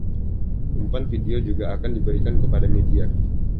Umpan video juga akan diberikan kepada media.